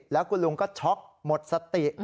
แล้วคุณลุงก็ช็อกหมดสติ